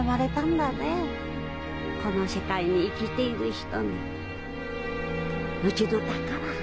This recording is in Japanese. この世界に生きている人に「命どぅ宝」